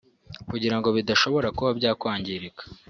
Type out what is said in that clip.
kugirango bidashobora kuba byakwangirika